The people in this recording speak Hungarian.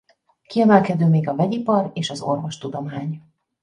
Kiemelkedő még a vegyipar és az orvostudomány.